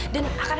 dan akan berjaya